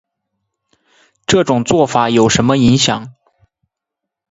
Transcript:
这种做法有什么影响